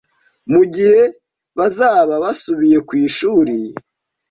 mu gihe bazaba basubiye ku ishuri.